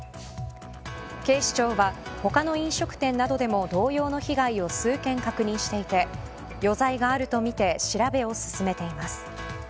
警視庁は他の飲食店などでも同様の被害を数件確認していて余罪があるとみて調べを進めています。